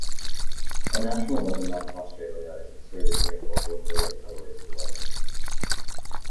A national weather map of Australia is inserted during local affiliate cutaways for weather.